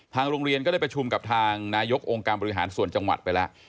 โรงเรียนก็ได้ประชุมกับทางนายกองค์การบริหารส่วนจังหวัดไปแล้ว